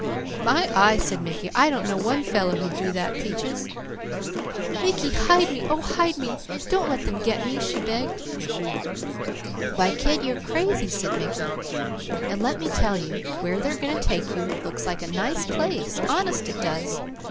"My eye!" said Mickey. "I don't know one fellow who'd do that, Peaches." "Mickey, hide me. Oh hide me! Don't let them 'get' me!" she begged. "Why kid, you're crazy," said Mickey. "Now lemme tell you. Where they'll take you looks like a nice place. Honest it does.